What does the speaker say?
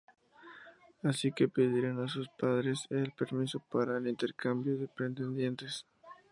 Así que pidieron a sus padres el permiso para el intercambio de pretendientes.